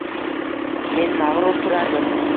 Men mag’rur turardim